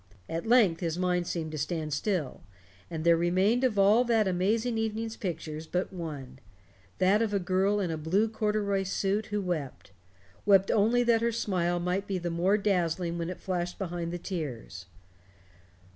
At length his mind seemed to stand still, and there remained of all that amazing evening's pictures but one that of a girl in a blue corduroy suit who wept wept only that her smile might be the more dazzling when it flashed behind the tears.